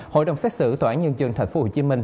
hội đồng xét xử tòa án nhân dân tp hcm